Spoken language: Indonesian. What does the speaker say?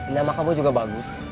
nama kamu juga bagus